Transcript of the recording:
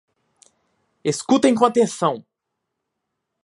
escutem com atenção!